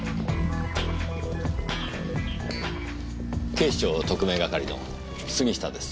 警視庁特命係の杉下です。